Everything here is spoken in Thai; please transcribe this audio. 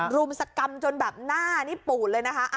รุมสกรรมจนแบบหน้านี่ปูดเลยนะคะ